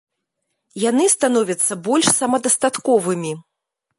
Яны становяцца больш самадастатковымі.